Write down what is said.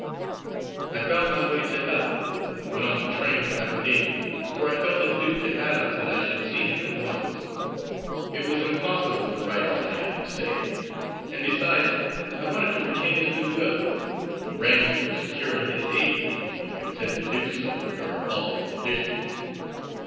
I found my way to Ellon and went on the train to Aberdeen, for I felt it due to Adams that I should see him at once. It was impossible to write all I had to say; and besides I wanted to retain his good will, and to arrange for securing his aid, if he would consent to do so under our altered conditions.